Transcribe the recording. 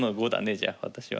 じゃあ私は。